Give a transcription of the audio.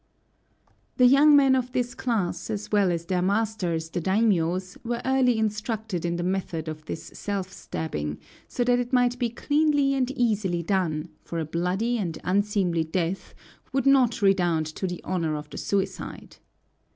The young men of this class, as well as their masters, the daimiōs, were early instructed in the method of this self stabbing, so that it might be cleanly and easily done, for a bloody and unseemly death would not redound to the honor of the suicide.